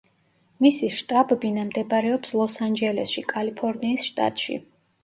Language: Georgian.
მისი შტაბ-ბინა მდებარეობს ლოს-ანჯელესში, კალიფორნიის შტატში.